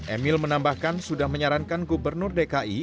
emil menambahkan sudah menyarankan gubernur dki